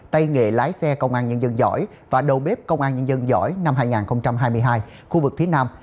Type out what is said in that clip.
tây nghệ lái xe công an nhân dân giỏi và đầu bếp công an nhân dân giỏi năm hai nghìn hai mươi hai